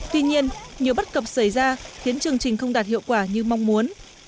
tuy nhiên nhiều bất cập xảy ra khiến chương trình không đạt hiệu quả như mong muốn